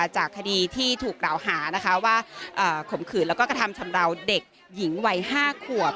จากคดีที่ถูกกล่าวหานะคะว่าข่มขืนแล้วก็กระทำชำราวเด็กหญิงวัย๕ขวบ